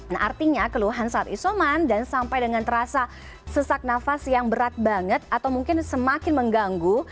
nah artinya keluhan saat isoman dan sampai dengan terasa sesak nafas yang berat banget atau mungkin semakin mengganggu